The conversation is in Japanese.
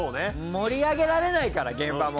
盛り上げられないから現場も。